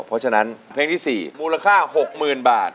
เพราะฉะนั้นเพลงที่๔มูลค่า๖๐๐๐บาท